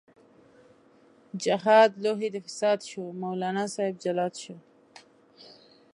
جهاد لوښۍ د فساد شو، مولانا صاحب جلاد شو